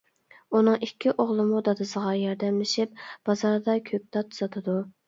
ئۇنىڭ ئىككى ئوغلىمۇ دادىسىغا ياردەملىشىپ بازاردا كۆكتات ساتىدۇ.